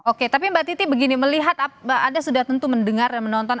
oke tapi mbak titi begini melihat anda sudah tentu mendengar dan menonton